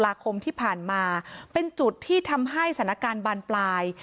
คมที่ผ่านมาเป็นจุดที่ทำให้สถานการณ์บานปลาย